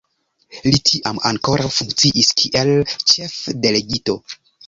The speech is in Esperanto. Li tiam ankaŭ funkciis kiel ĉefdelegito.